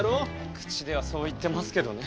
口ではそう言ってますけどね。